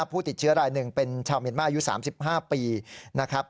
ผู้ติดเชื้อรายหนึ่งเป็นชาวเมียนมาอายุ๓๕ปีนะครับ